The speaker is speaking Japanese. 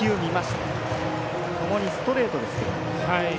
ともにストレートですけども。